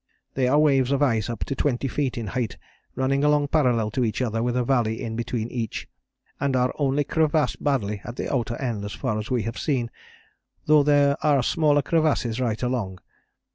They are waves of ice up to 20 feet in height running along parallel to each other with a valley in between each, and are only crevassed badly at the outer end as far as we have seen, though there are smaller crevasses right along.